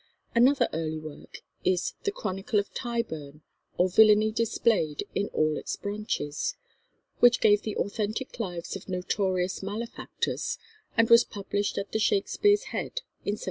Another early work is the "Chronicle of Tyburn, or Villainy displayed in all its branches," which gave the authentic lives of notorious malefactors, and was published at the Shakespeare's Head in 1720.